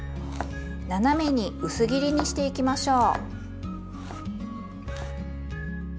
斜めに薄切りにしていきましょう。